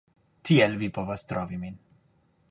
Tiel vi povas trovi min